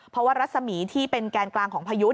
เพราะว่ารัศมีที่เป็นแกนกลางของพายุ